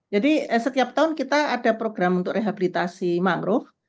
jadi setiap tahun kita ada program untuk rehabilitasi mangrove